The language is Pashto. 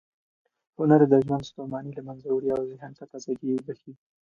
هنر د ژوند ستوماني له منځه وړي او ذهن ته تازه ګۍ بښي.